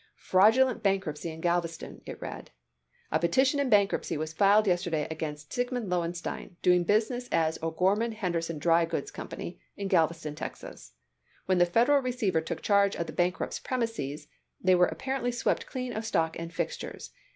"Fraudulent Bankruptcy in Galveston," it read. "A petition in bankruptcy was filed yesterday against Siegmund Lowenstein, doing business as the O'Gorman Henderson Dry Goods Company, in Galveston, Texas. When the Federal receiver took charge of the bankrupt's premises they were apparently swept clean of stock and fixtures.